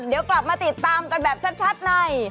เดี๋ยวกลับมาติดตามกันแบบชัดใน